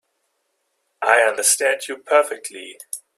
I understand you perfectly.